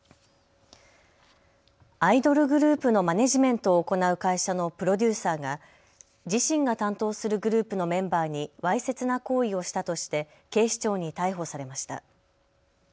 アイドルグループのマネージメントを行う会社のプロデューサーが自身が担当するグループのメンバーにわいせつな行為をしたとして警視庁に逮捕されました。